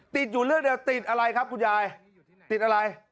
ติดอยู่เลือกติดอะไรครับคุณยายติดอะไร